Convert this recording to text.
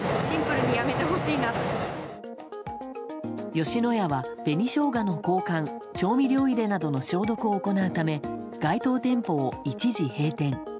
吉野家は紅ショウガの交換調味料入れなどの消毒を行うため該当店舗を一時閉店。